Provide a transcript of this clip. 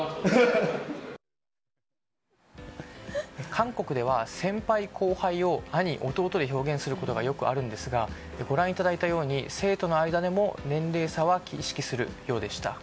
韓国では、先輩・後輩を兄・弟で表現することが表現することがよくあるんですがご覧いただいたように生徒の間でも年齢差は意識するようでした。